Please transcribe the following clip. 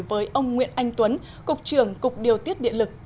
với ông nguyễn anh tuấn cục trưởng cục điều tiết điện lực